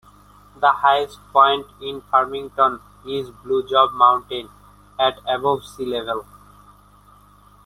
The highest point in Farmington is Blue Job Mountain, at above sea level.